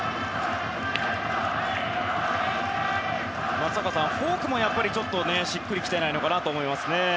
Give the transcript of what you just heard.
松坂さん、フォークもやっぱりちょっとしっくり来ていないのかなと思います。